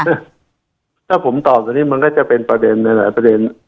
ถ้าผมตอบตรงนี้มันก็จะเป็นประเด็นในหลายประเด็น